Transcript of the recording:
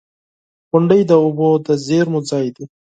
• غونډۍ د اوبو د زیرمو ځای دی.